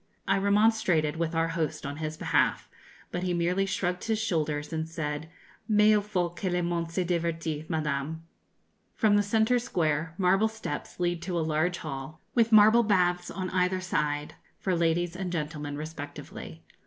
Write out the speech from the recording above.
I remonstrated with our host on his behalf; but he merely shrugged his shoulders and said, 'Mais il faut que le monde se divertisse, Madame.' From the centre square, marble steps lead to a large hall, with marble baths on either side, for ladies and gentlemen respectively.